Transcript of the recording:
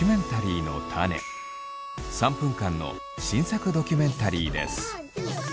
３分間の新作ドキュメンタリーです。